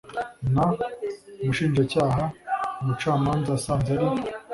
n umushinjacyaha umucamanza asanze ari